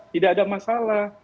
tidak ada masalah